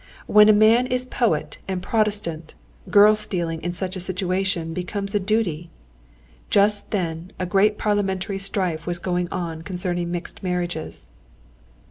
When a man is poet and Protestant, girl stealing in such a situation becomes a duty. Just then a great parliamentary strife was going on concerning mixed marriages.